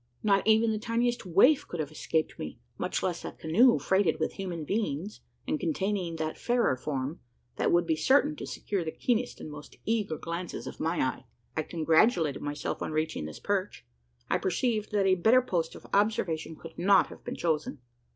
Not even the tiniest waif could have escaped me much less a canoe freighted with human beings; and containing that fairer form, that would be certain to secure the keenest and most eager glances of my eye. I congratulated myself on reaching this perch. I perceived that a better post of observation could not have been chosen.